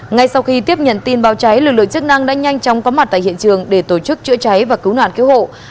ngay sau khi tiếp nhận tin báo cháy lực lượng chức năng đã nhanh chóng có mặt tại hiện trường để tổ chức chữa cháy và cứu nạn cứu hộ